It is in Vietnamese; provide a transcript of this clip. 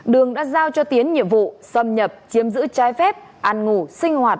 đường đã giao cho tiến nhiệm vụ xâm nhập chiếm giữ trái phép ăn ngủ sinh hoạt